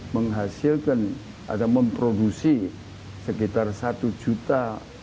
menghasilkan atau memproduksi sekitar satu juta